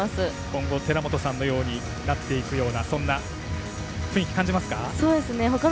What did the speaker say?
今後、寺本さんのようになっていくようなそんな雰囲気感じますか？